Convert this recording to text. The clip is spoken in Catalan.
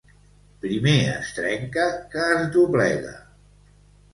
Primer es trenca que es doblega.